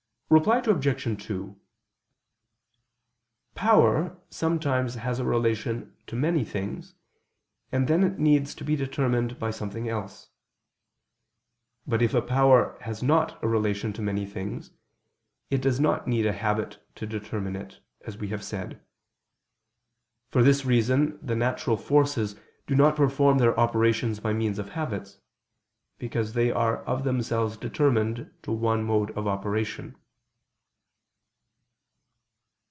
Reply Obj. 2: Power sometimes has a relation to many things: and then it needs to be determined by something else. But if a power has not a relation to many things, it does not need a habit to determine it, as we have said. For this reason the natural forces do not perform their operations by means of habits: because they are of themselves determined to one mode of operation.